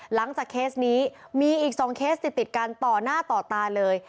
หลังจากเคสนี้มีอีกสองเคสติดติดกันต่อหน้าต่อตาเลย